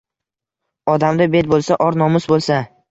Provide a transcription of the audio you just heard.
Odamda bet bo‘lsa! Or-nomus bo‘lsa!